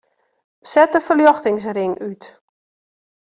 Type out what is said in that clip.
Set de ferljochtingsring út.